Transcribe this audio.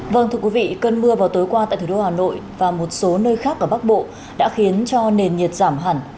vâng thưa quý vị cơn mưa vào tối qua tại thủ đô hà nội và một số nơi khác ở bắc bộ đã khiến cho nền nhiệt giảm hẳn